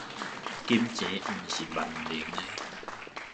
金錢毋是萬能的